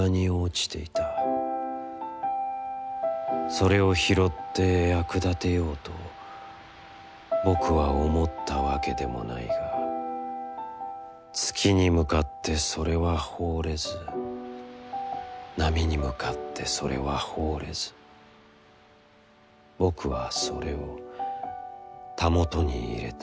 それを拾って、役立てようと僕は思ったわけでもないが月に向かってそれは抛れず浪に向かってそれは抛れず僕はそれを、袂に入れた。